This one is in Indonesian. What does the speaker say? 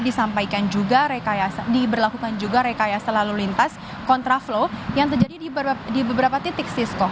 disampaikan juga diberlakukan juga rekayasa lalu lintas kontra flow yang terjadi di beberapa titik sisko